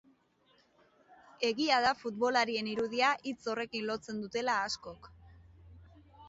Egia da futbolariaren irudia hitz horrekin lotzen dutela askok.